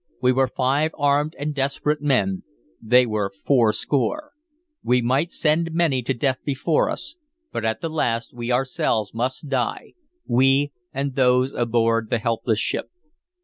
We were five armed and desperate men; they were fourscore. We might send many to death before us, but at the last we ourselves must die, we and those aboard the helpless ship.